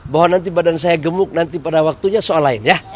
bahwa nanti badan saya gemuk nanti pada waktunya soal lain ya